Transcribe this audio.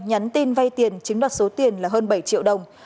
nhắn tin vay tiền chiếm đoạt số tiền là hơn bảy triệu đồng